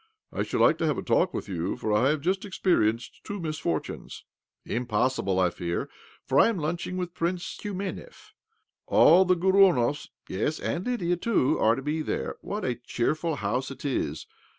I should like to have a talk with you, for I have just experienced two misfor tunes." " Impossible, I fear, for I am lunching with Prince Tiumenev. All the Gorunovs —yes, and Lydia, too — are to be there. What a cheerful house it is